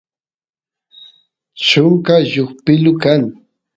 chunka lluspilu kan